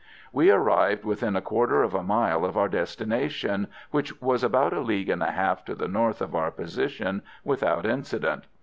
We arrived within a quarter of a mile of our destination, which was about a league and a half to the north of our position, without incident.